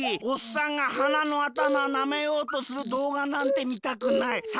「おっさんがはなのあたまなめようとするどうがなんてみたくない」。